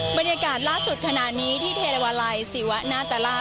บรรยากาศล่าสุดขณะนี้ที่เทวาลัยศิวะนาตราช